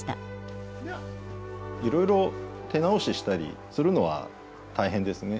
いろいろ手直ししたりするのは大変ですね。